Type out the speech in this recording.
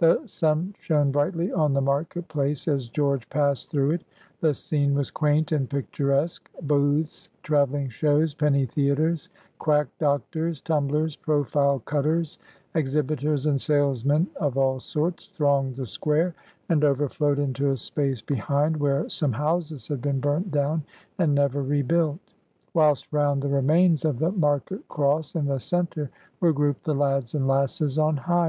The sun shone brightly on the market place as George passed through it. The scene was quaint and picturesque. Booths, travelling shows, penny theatres, quack doctors, tumblers, profile cutters, exhibitors and salesmen of all sorts, thronged the square, and overflowed into a space behind, where some houses had been burnt down and never rebuilt; whilst round the remains of the market cross in the centre were grouped the lads and lasses "on hire."